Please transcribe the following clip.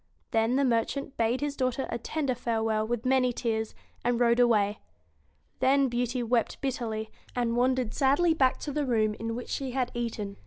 Then the mer chant bade his daughter a tender farewell with many tears, and rode away. Then Beauty wept bitterly, and wandered sadly back to the room in which she had eaten.